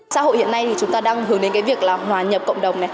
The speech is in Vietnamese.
xã hội hiện nay chúng ta đang hướng đến việc hòa nhập cộng đồng